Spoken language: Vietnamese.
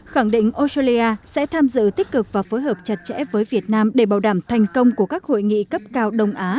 khẳng định australia sẽ tham dự tích cực và phối hợp chặt chẽ với việt nam để bảo đảm thành công của các hội nghị cấp cao đông á